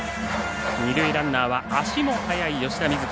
二塁ランナーは足も速い吉田瑞樹。